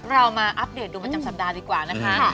เรามาอัปเดตดูประจำสัปดาห์ดีกว่านะคะ